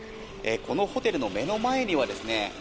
このホテルの目の前にはですね